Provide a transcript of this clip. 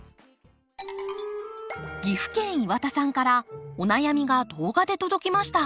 岐阜県岩田さんからお悩みが動画で届きました。